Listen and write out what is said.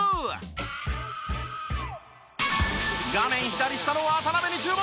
画面左下の渡邊に注目。